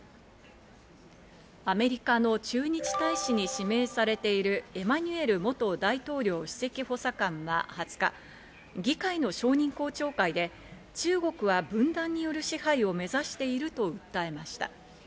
アメリカの駐日大使に指名されているエマニュエル元大統領首席補佐官は２０日、議会の承認公聴会で、中国は分断による支配を目指していると訴えました。